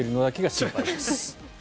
心配です。